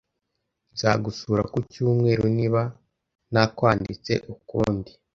Nzagusura ku cyumweru, niba ntakwanditse ukundi